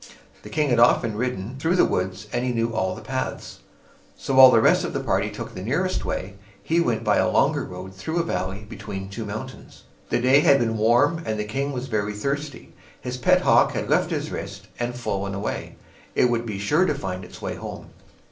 The king had often ridden through the woods, and he knew all the paths. So while the rest of the party took the nearest way, he went by a longer road through a valley between two mountains. The day had been warm, and the king was very thirsty. His pet hawk had left his wrist and flown away. It would be sure to find its way home.